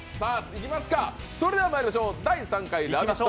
それではまいりましょう、ラヴィット！